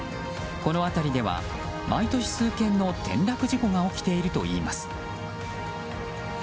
この辺りでは毎年数件の転落事故が起きているといいます。